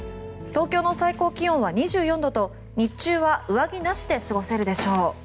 東京の最高気温は２４度と日中は上着なしで過ごせるでしょう。